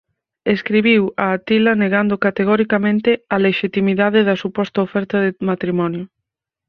Escribiu a Atila negando categoricamente a lexitimidade da suposta oferta de matrimonio.